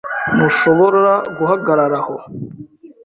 Ntushobora guhagarara aho .